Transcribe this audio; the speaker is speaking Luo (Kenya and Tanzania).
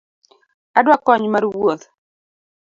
Adwa kony mar wuoth.